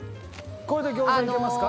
これで餃子いけますか？